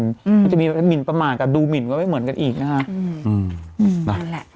มันจะมีแบบมินประมาณกับดูมินก็ไม่เหมือนกันอีกนะฮะ